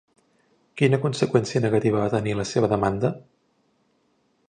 Quina conseqüència negativa va tenir la seva demanda?